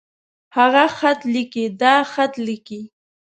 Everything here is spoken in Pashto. هغۀ خط ليکي. دا خط ليکي.